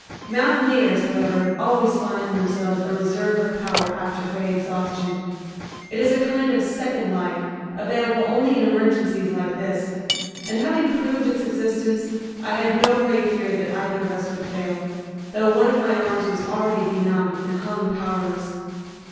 Mountaineers, however, always find in themselves a reserve of power after great exhaustion. It is a kind of second life, available only in emergencies like this; and, having proved its existence, I had no great fear that either of us would fail, though one of my arms was already benumbed and hung powerless.